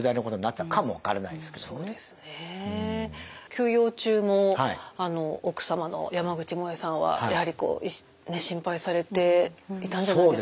休養中も奥様の山口もえさんはやはりこう心配されていたんじゃないですか？